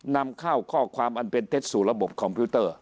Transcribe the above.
นำเข้าข้อความอันเป็นเท็จสู่ระบบคอมพิวเตอร์